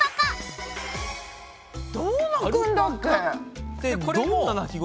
どう鳴くんだっけ？